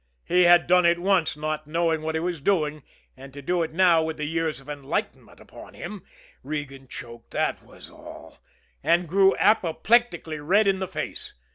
He had done it once not knowing what he was doing, and to do it now with the years of enlightenment upon him Regan choked, that was all, and grew apoplectically red in the face.